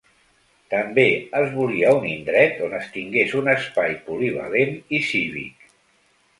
També es volia un indret on es tingués un espai polivalent i cívic.